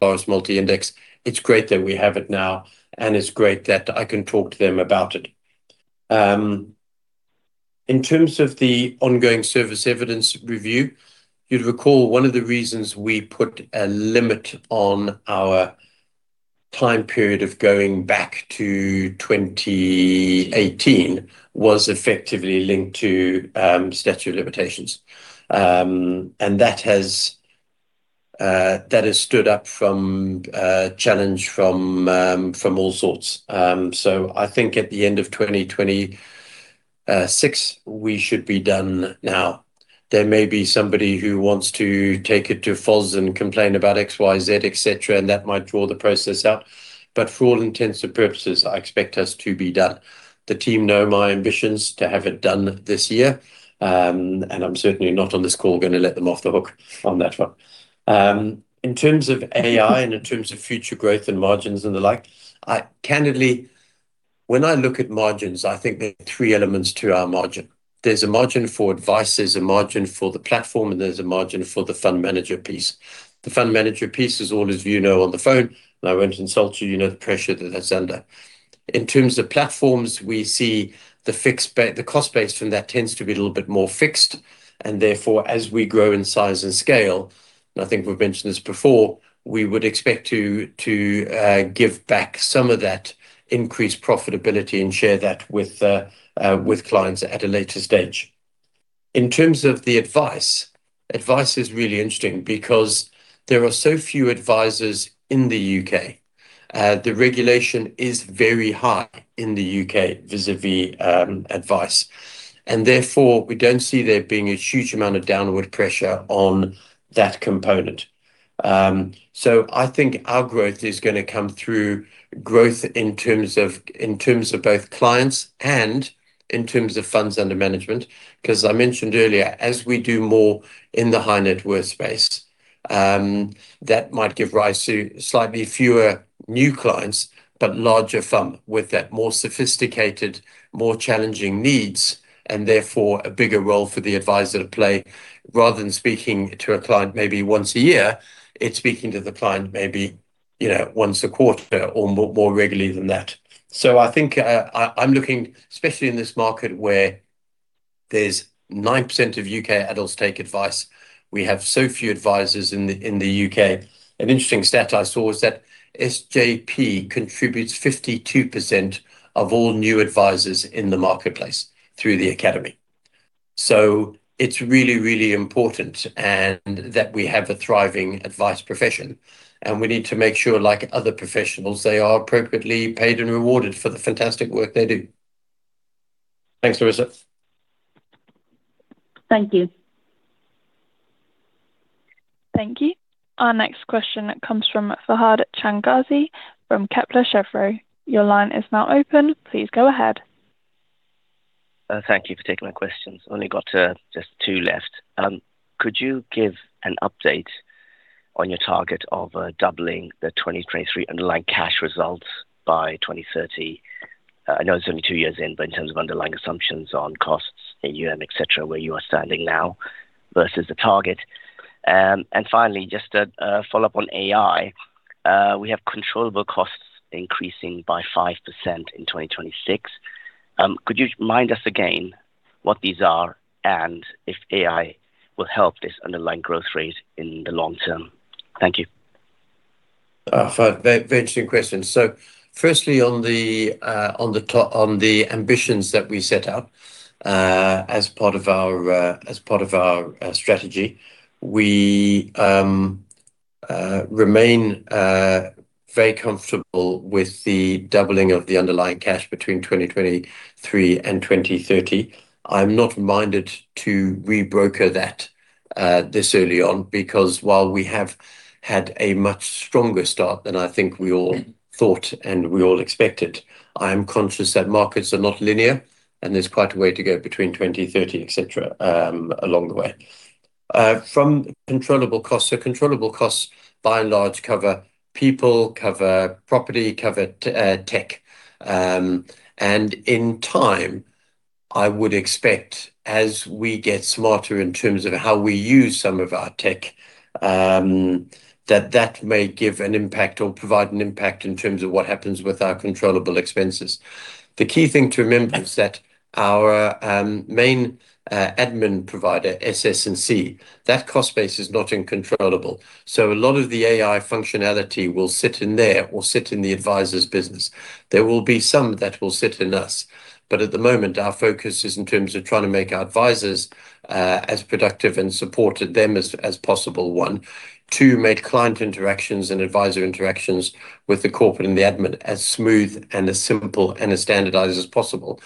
Polaris Multi-Index. It's great that we have it now, and it's great that I can talk to them about it. In terms of the ongoing service evidence review, you'd recall one of the reasons we put a limit on our time period of going back to 2018 was effectively linked to statute of limitations. That has stood up from challenge from all sorts. I think at the end of 2026, we should be done now. There may be somebody who wants to take it to FOS and complain about X, Y, Z, etc., and that might draw the process out, but for all intents and purposes, I expect us to be done. The team know my ambitions to have it done this year, and I'm certainly not on this call gonna let them off the hook on that one. In terms of AI and in terms of future growth and margins and the like, I candidly, when I look at margins, I think there are three elements to our margin. There's a margin for advice, there's a margin for the platform, and there's a margin for the fund manager piece. The fund manager piece, as all of you know, on the phone, and I won't insult you know the pressure that's under. In terms of platforms, we see the fixed the cost base from that tends to be a little bit more fixed, and therefore, as we grow in size and scale, and I think we've mentioned this before, we would expect to give back some of that increased profitability and share that with clients at a later stage. In terms of the advice is really interesting because there are so few advisors in the U.K. The regulation is very high in the U.K. vis-a-vis advice, and therefore, we don't see there being a huge amount of downward pressure on that component. I think our growth is gonna come through growth in terms of, in terms of both clients and in terms of funds under management, 'cause I mentioned earlier, as we do more in the high-net-worth space, that might give rise to slightly fewer new clients, but larger FUM, with that more sophisticated, more challenging needs, and therefore, a bigger role for the advisor to play. Rather than speaking to a client maybe once a year, it's speaking to the client, maybe, you know, once a quarter or more, more regularly than that. I think, I'm looking, especially in this market, where there's 9% of U.K. adults take advice. We have so few advisors in the U.K. An interesting stat I saw was that SJP contributes 52% of all new advisors in the marketplace through the academy. It's really, really important and, that we have a thriving advice profession, and we need to make sure, like other professionals, they are appropriately paid and rewarded for the fantastic work they do. Thanks, Larissa. Thank you. Thank you. Our next question comes from Fahad Changazi from Kepler Cheuvreux. Your line is now open. Please go ahead. Thank you for taking my questions. Only got just two left. Could you give an update on your target of doubling the 2023 underlying cash results by 2030? I know it's only two years in, but in terms of underlying assumptions on costs, AUM, etc., where you are standing now versus the target. Finally, just a follow-up on AI. We have controllable costs increasing by 5% in 2026. Could you remind us again what these are and if AI will help this underlying growth rate in the long term? Thank you. Fa, very, very interesting question. Firstly, on the ambitions that we set out as part of our strategy, we remain very comfortable with the doubling of the underlying cash between 2023 and 2030. I'm not minded to rebroker that this early on, because while we have had a much stronger start than I think we all thought and we all expected, I am conscious that markets are not linear, and there's quite a way to go between 2030, etc., along the way. From controllable costs, controllable costs, by and large, cover people, cover property, cover tech. In time, I would expect, as we get smarter in terms of how we use some of our tech, that that may give an impact or provide an impact in terms of what happens with our controllable expenses. The key thing to remember is that our main admin provider, SS&C, that cost base is not in controllable. A lot of the AI functionality will sit in there or sit in the advisor's business. There will be some that will sit in us, but at the moment, our focus is in terms of trying to make our advisors as productive and supported them as possible. Two, make client interactions and advisor interactions with the corporate and the admin as smooth and as simple and as standardized as possible.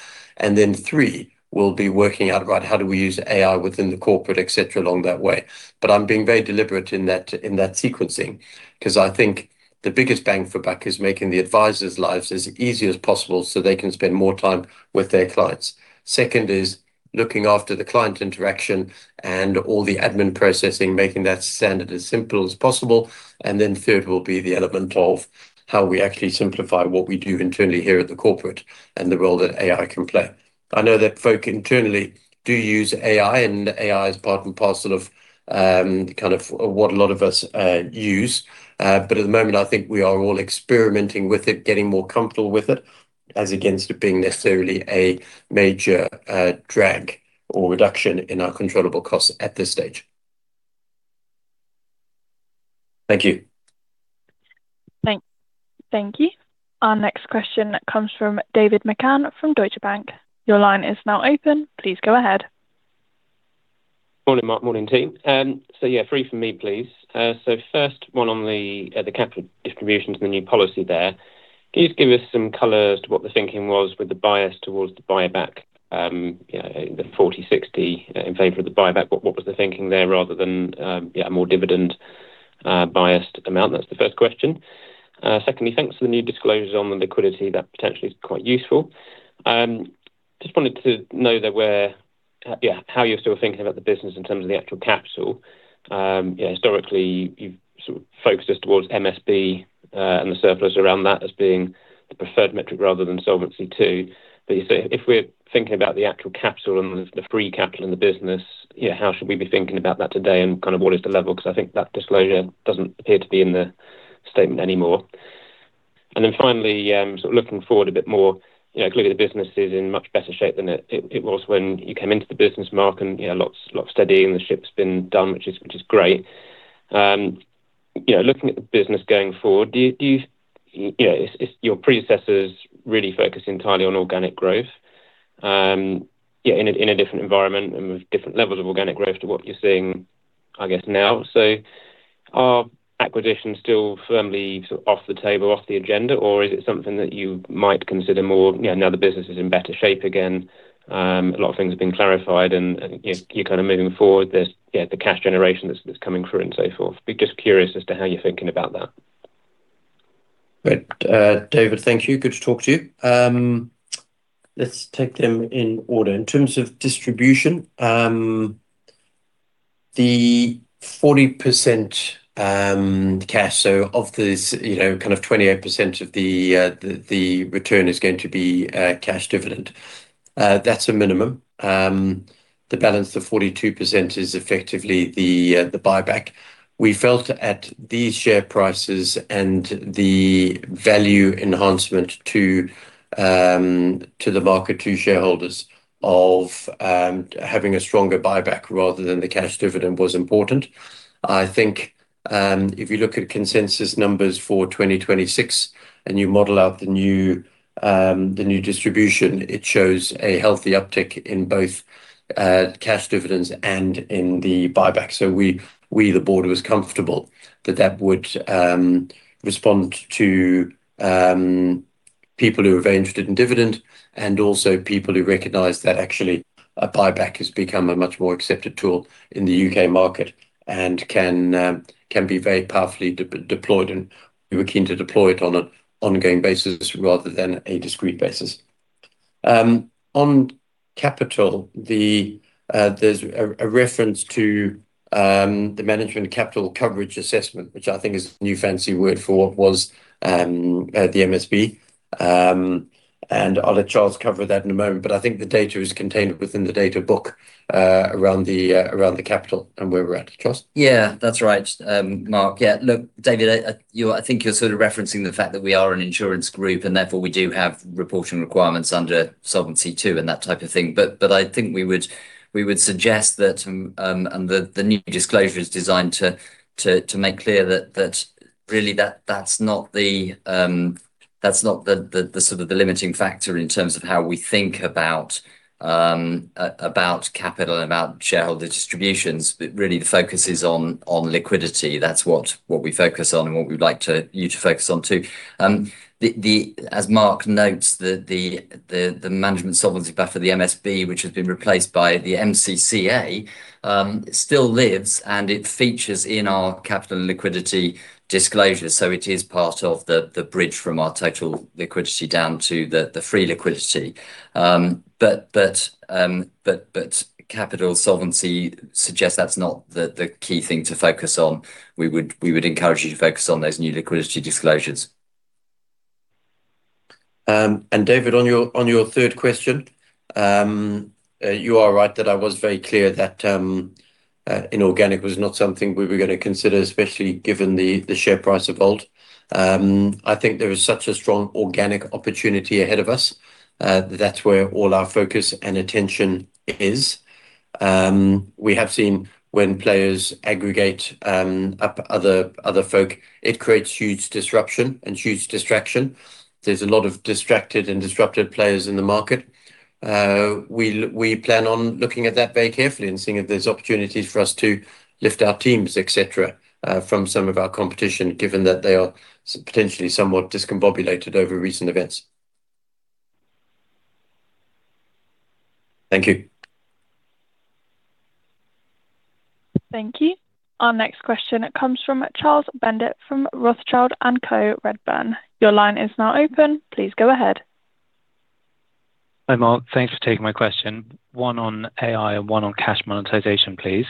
Three, we'll be working out, right, how do we use AI within the corporate, etc., along that way? I'm being very deliberate in that sequencing, 'cause I think the biggest bang for buck is making the advisors' lives as easy as possible so they can spend more time with their clients. Second, is looking after the client interaction and all the admin processing, making that standard as simple as possible. Third, will be the element of how we actually simplify what we do internally here at the corporate and the role that AI can play. I know that folk internally do use AI is part and parcel of, kind of what a lot of us use. At the moment, I think we are all experimenting with it, getting more comfortable with it, as against it being necessarily a major drag or reduction in our controllable costs at this stage. Thank you. Thank you. Our next question comes from David McCann from Deutsche Bank. Your line is now open. Please go ahead. Morning, Mark. Morning, team. Yeah, three from me, please. First one on the capital distribution to the new policy there. Can you just give us some color as to what the thinking was with the bias towards the buyback, you know, the 40/60 in favor of the buyback? What was the thinking there, rather than, yeah, a more dividend biased amount? That's the first question. Secondly, thanks to the new disclosures on the liquidity, that potentially is quite useful. Just wanted to know that where, yeah, how you're still thinking about the business in terms of the actual capital. Yeah, historically, you've sort of focused us towards MSB and the surplus around that as being the preferred metric rather than Solvency II. If we're thinking about the actual capital and the free capital in the business, how should we be thinking about that today? Kind of what is the level? 'Cause I think that disclosure doesn't appear to be in the statement anymore. Then finally, sort of looking forward a bit more, you know, clearly, the business is in much better shape than it was when you came into the business, Mark, and, you know, lots steady, and the ship's been done, which is great. You know, looking at the business going forward, do you know, your predecessors really focus entirely on organic growth, in a different environment and with different levels of organic growth to what you're seeing, I guess, now. Are acquisitions still firmly sort of off the table, off the agenda, or is it something that you might consider more, you know, now the business is in better shape again? A lot of things have been clarified, and you're kind of moving forward. There's the cash generation that's coming through and so forth. Be just curious as to how you're thinking about that. Great. David, thank you. Good to talk to you. Let's take them in order. In terms of distribution, the 40% cash, so of this, you know, kind of 28% of the return is going to be cash dividend. That's a minimum. The balance of 42% is effectively the buyback. We felt at these share prices and the value enhancement to the market, to shareholders, of, having a stronger buyback rather than the cash dividend was important. I think, if you look at consensus numbers for 2026, and you model out the new, the new distribution, it shows a healthy uptick in both, cash dividends and in the buyback. We, the board, was comfortable that that would respond to people who are very interested in dividend, and also people who recognize that actually a buyback has become a much more accepted tool in the U.K. market, and can be very powerfully deployed, and we were keen to deploy it on an ongoing basis rather than a discrete basis. On capital, there's a reference to the management capital coverage assessment, which I think is a new fancy word for what was the MSB. And I'll let Charles cover that in a moment, but I think the data is contained within the data book, around the capital and where we're at. Charles? Yeah, that's right, Mark. Yeah, look, David, I think you're sort of referencing the fact that we are an insurance group, and therefore, we do have reporting requirements under Solvency II, and that type of thing. I think we would suggest that the new disclosure is designed to make clear that really that's not the sort of the limiting factor in terms of how we think about capital and about shareholder distributions. Really, the focus is on liquidity. That's what we focus on and what we'd like you to focus on, too. The, as Mark notes, the management solvency buffer, the MSB, which has been replaced by the MCCA, still lives, and it features in our capital and liquidity disclosure, so it is part of the bridge from our total liquidity down to the free liquidity. Capital solvency suggests that's not the key thing to focus on. We would encourage you to focus on those new liquidity disclosures. David, on your third question, you are right that I was very clear that inorganic was not something we were gonna consider, especially given the share price of bolt-on. I think there is such a strong organic opportunity ahead of us. That's where all our focus and attention is. We have seen when players aggregate up other folk, it creates huge disruption and huge distraction. There's a lot of distracted and disrupted players in the market. We plan on looking at that very carefully and seeing if there's opportunities for us to lift our teams, etc., from some of our competition, given that they are potentially somewhat discombobulated over recent events. Thank you. Thank you. Our next question comes from Charles Bendit from Rothschild & Co Redburn. Your line is now open. Please go ahead. Hi, Mark. Thanks for taking my question. One on AI and one on cash monetization, please.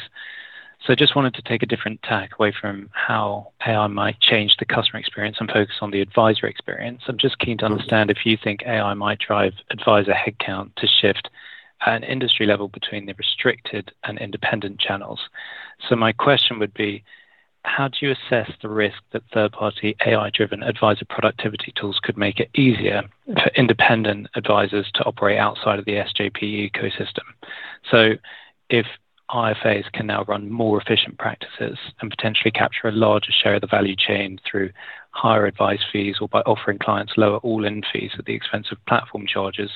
Just wanted to take a different tack away from how AI might change the customer experience and focus on the advisor experience. I'm just keen to understand if you think AI might drive advisor headcount to shift at an industry level between the restricted and independent channels. My question would be: How do you assess the risk that third-party AI-driven advisor productivity tools could make it easier for independent advisors to operate outside of the SJP ecosystem? If IFAs can now run more efficient practices and potentially capture a larger share of the value chain through higher advice fees or by offering clients lower all-in fees at the expense of platform charges,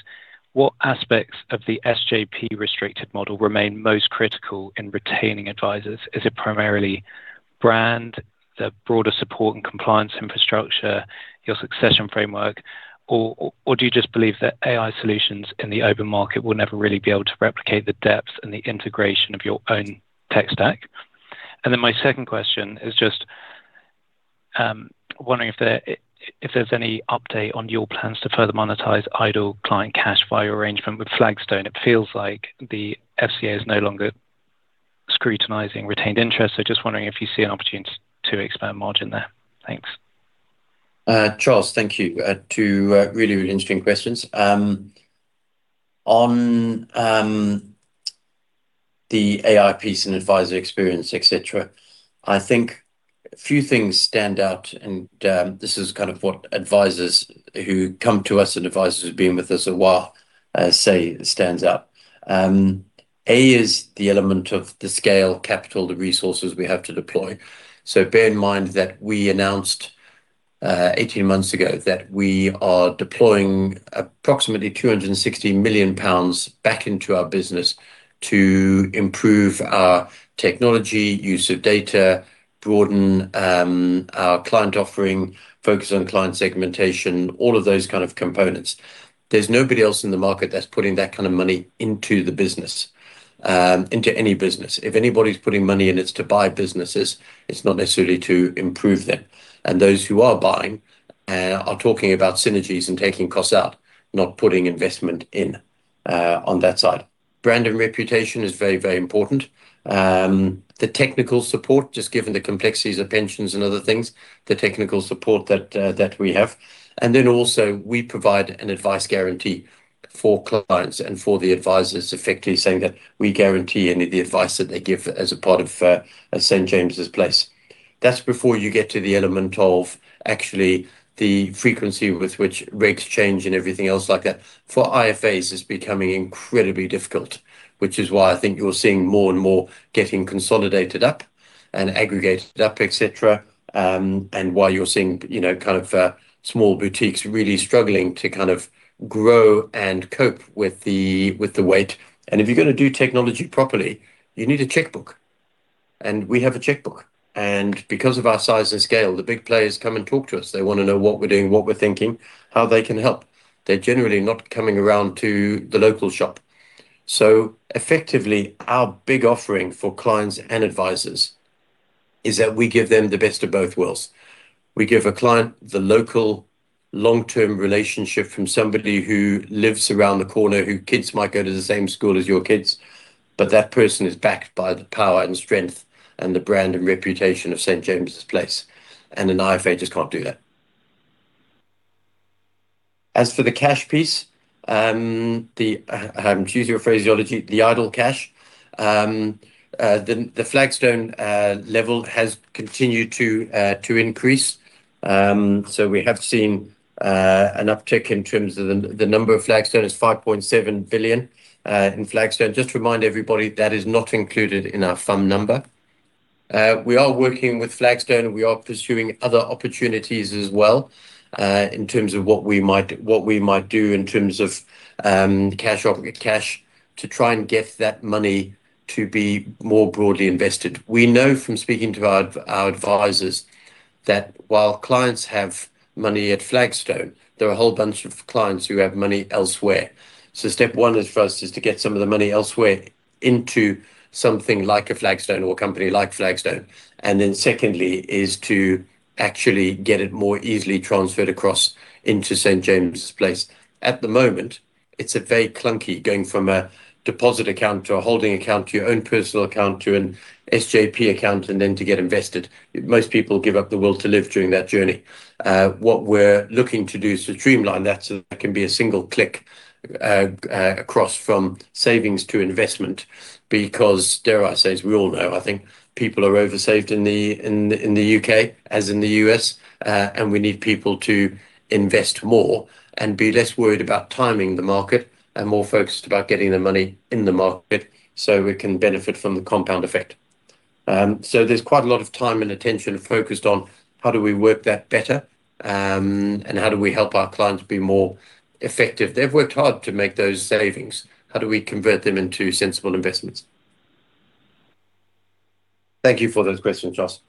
what aspects of the SJP restricted model remain most critical in retaining advisors? Is it primarily brand, the broader support and compliance infrastructure, your succession framework, or do you just believe that AI solutions in the open market will never really be able to replicate the depth and the integration of your own tech stack? My 2nd question is just wondering if there's any update on your plans to further monetize idle client cash via your arrangement with Flagstone. It feels like the FCA is no longer scrutinizing retained interest. Just wondering if you see an opportunity to expand margin there. Thanks. Charles Bendit, thank you. 2 really interesting questions. On the AI piece and advisor experience, etc., I think a few things stand out, this is kind of what advisors who come to us and advisors who've been with us a while say stands out. A is the element of the scale, capital, the resources we have to deploy. Bear in mind that we announced 18 months ago that we are deploying approximately 260 million pounds back into our business to improve our technology, use of data, broaden our client offering, focus on client segmentation, all of those kind of components. There's nobody else in the market that's putting that kind of money into the business, into any business. If anybody's putting money in, it's to buy businesses, it's not necessarily to improve them. Those who are buying are talking about synergies and taking costs out, not putting investment in on that side. Brand and reputation is very, very important. The technical support, just given the complexities of pensions and other things, the technical support that we have, and then also we provide an advice guarantee for clients and for the advisors, effectively saying that we guarantee any of the advice that they give as a part of St. James's Place. That's before you get to the element of actually the frequency with which rates change and everything else like that. For IFAs, it's becoming incredibly difficult, which is why I think you're seeing more and more getting consolidated up and aggregated up, etc., and why you're seeing, you know, kind of, small boutiques really struggling to kind of grow and cope with the, with the weight. If you're going to do technology properly, you need a checkbook, and we have a checkbook. Because of our size and scale, the big players come and talk to us. They want to know what we're doing, what we're thinking, how they can help. They're generally not coming around to the local shop. Effectively, our big offering for clients and advisors is that we give them the best of both worlds. We give a client the local, long-term relationship from somebody who lives around the corner, whose kids might go to the same school as your kids, but that person is backed by the power and strength and the brand and reputation of St. James's Place, and an IFA just can't do that. As for the cash piece, the to use your phraseology, the idle cash, the Flagstone level has continued to increase. We have seen an uptick in terms of the number of Flagstone is 5.7 billion in Flagstone. Just to remind everybody, that is not included in our fund number. We are working with Flagstone, and we are pursuing other opportunities as well, in terms of what we might do in terms of cash off of cash to try and get that money to be more broadly invested. We know from speaking to our advisors, that while clients have money at Flagstone, there are a whole bunch of clients who have money elsewhere. Step one is for us, is to get some of the money elsewhere into something like a Flagstone or a company like Flagstone, and then secondly, is to actually get it more easily transferred across into St. James's Place. At the moment, it's a very clunky going from a deposit account to a holding account, to your own personal account, to an SJP account, and then to get invested. Most people give up the will to live during that journey. What we're looking to do is to streamline that, so that can be a single click across from savings to investment. Dare I say, as we all know, I think people are over-saved in the U.K., as in the U.S., and we need people to invest more and be less worried about timing the market and more focused about getting the money in the market so it can benefit from the compound effect. There's quite a lot of time and attention focused on how do we work that better, and how do we help our clients be more effective. They've worked hard to make those savings. How do we convert them into sensible investments? Thank you for those questions, Charles.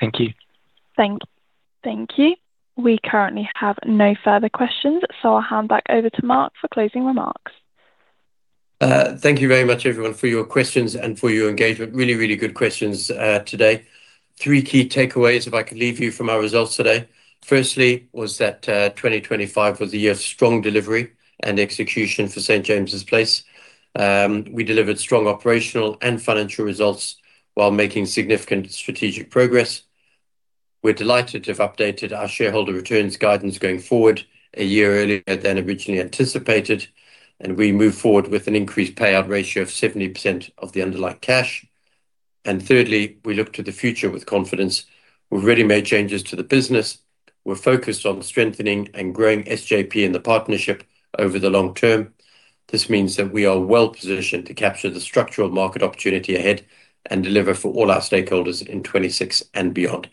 Thank you. Thank you. We currently have no further questions, I'll hand back over to Mark for closing remarks. Thank you very much, everyone, for your questions and for your engagement. Really good questions today. Three key takeaways, if I could leave you from our results today. Firstly, was that 2025 was a year of strong delivery and execution for St. James's Place. We delivered strong operational and financial results while making significant strategic progress. We're delighted to have updated our shareholder returns guidance going forward, a year earlier than originally anticipated, and we move forward with an increased payout ratio of 70% of the underlying cash. Thirdly, we look to the future with confidence. We've already made changes to the business. We're focused on strengthening and growing SJP and the partnership over the long term. This means that we are well-positioned to capture the structural market opportunity ahead and deliver for all our stakeholders in 2026 and beyond.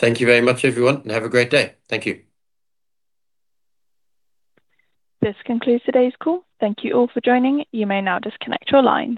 Thank you very much, everyone, and have a great day. Thank you. This concludes today's call. Thank you all for joining. You may now disconnect your lines.